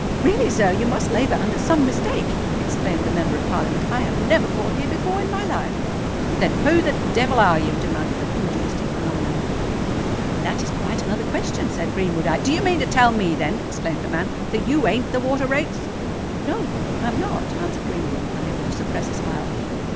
"Really, sir—you must labour under some mistake," exclaimed the Member of Parliament. "I have never called here before in my life." "Then who the devil are you?" demanded the pugilistic phenomenon. "That is quite another question," said Greenwood. "I——" "Do you mean to tell me, then," exclaimed the man, "that you ain't the Water Rates?" "No—I am not," answered Greenwood, unable to suppress a smile.